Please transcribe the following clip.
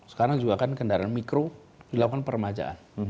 sekarang juga kan kendaraan mikro dilakukan peremajaan